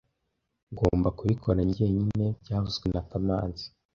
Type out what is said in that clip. Ngomba kubikora njyenyine byavuzwe na kamanzi